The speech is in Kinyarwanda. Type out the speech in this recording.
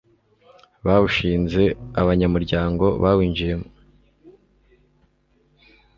bawushinze abanyamuryango bawinjiyemo